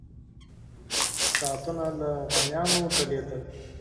ساعتونه له غمیانو ځلېدل.